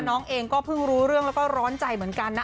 น้องเองก็เพิ่งรู้เรื่องแล้วก็ร้อนใจเหมือนกันนะ